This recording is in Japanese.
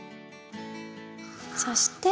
そして？